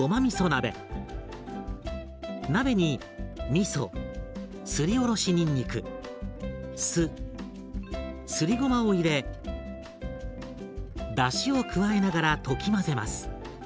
鍋にみそすりおろしにんにく酢すりごまを入れだしを加えながら溶き混ぜます。